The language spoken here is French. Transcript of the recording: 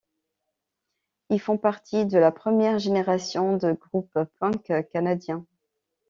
Ils font partie de la première génération de groupe punk canadien.